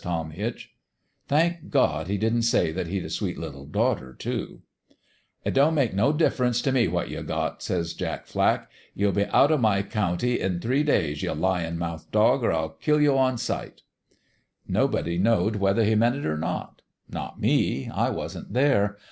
228 What HAPPENED to TOM HITCH " Thank God, he didn't say that he'd a sweet little daughter, too !"' It don't make no difference t' me what you got,' says Jack Flack. ' You'll be out o' my county in three days, you lyin' mouthed dog, or I'll kill you on sight 1 '" Nobody knowed whether he meant it or not. Not me : I wasn't there.